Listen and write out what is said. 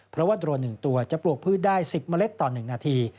เพราะว่าโรน๑ตัวจะปลูกพืชได้๑๐เมล็ดต่อ๑นาที